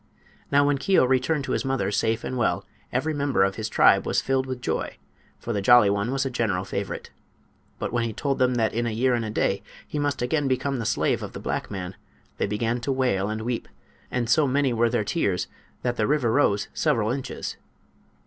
Now when Keo returned to his mother safe and well every member of his tribe was filled with joy, for the Jolly One was a general favorite. But when he told them that in a year and a day he must again become the slave of the black man, they began to wail and weep, and so many were their tears that the river rose several inches.